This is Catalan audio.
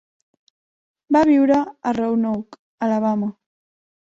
Va viure a Roanoke, Alabama.